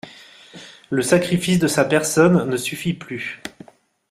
Le sacrifice de sa personne ne suffit plus.